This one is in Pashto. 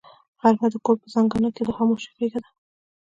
غرمه د کور په زنګانه کې د خاموشۍ غېږه ده